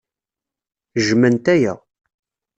Jjment aya.